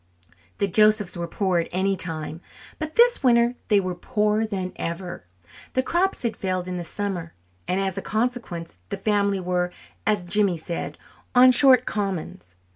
The Josephs were poor at any time, but this winter they were poorer than ever. The crops had failed in the summer, and as a consequence the family were, as Jimmy said, "on short commons."